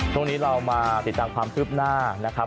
ช่วงนี้เรามาติดตามความคืบหน้านะครับ